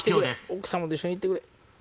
奥様と一緒言ってくれ。